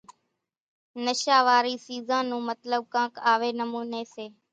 نشا واري سيزان نو مطلٻ ڪانڪ آوي نموني سي